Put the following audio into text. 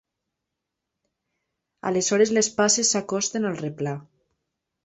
Aleshores les passes s'acosten al replà.